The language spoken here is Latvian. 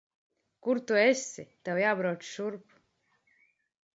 Kur tu esi? Tev jābrauc šurp.